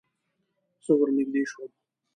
زه ور نږدې شوم.